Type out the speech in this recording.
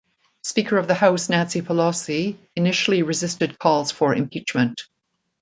Speaker of the House Nancy Pelosi initially resisted calls for impeachment.